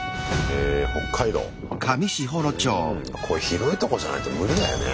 こういう広いとこじゃないと無理だよね。